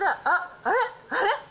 あっ、あれ？